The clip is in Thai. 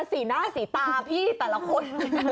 สีหน้าสีตาพี่แต่ละคน